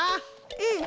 うん。